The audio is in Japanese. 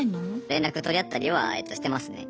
連絡取り合ったりはしてますね。